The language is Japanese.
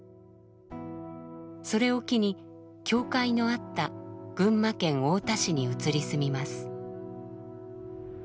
それを機に教会のあった群馬県太田市に移り住みます。